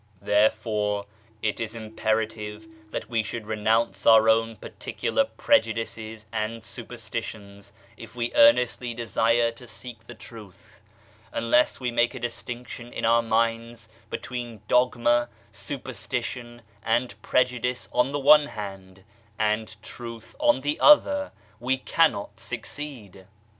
Therefore it is imperative that we should renounce our own particular prejudices and superstitions if we earnestly desire to seek the Truth. Unless we make a distinction in our minds between dogma, superstition and prejudice on the one hand, and Truth on the other, we cannot succeed.